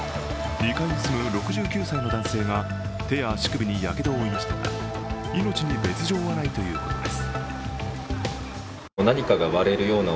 ２階に住む６９歳の男性が手や足首にやけどを負いましたが命に別状はないということです。